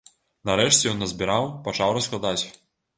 Нарэшце ён назбіраў, пачаў раскладаць.